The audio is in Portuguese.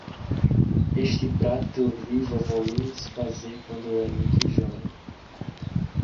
Este prato eu vi vovó Lourdes fazer quando eu era muito jovem.